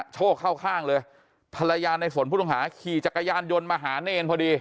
โชคเข้าข้างเลยภรรยาในสนผู้ต้องหาขี่จักรยานยนต์มาหาเนรพอดี